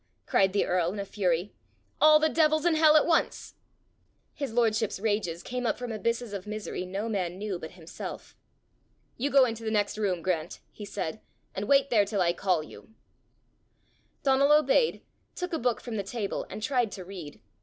cried the earl in a fury. "All the devils in hell at once!" His lordship's rages came up from abysses of misery no man knew but himself. "You go into the next room, Grant," he said, "and wait there till I call you." Donal obeyed, took a book from the table, and tried to read.